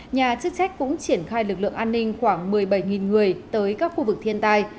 nhà chức trách cũng triển khai lực lượng an ninh khoảng một mươi bảy người tới các khu vực thiên tai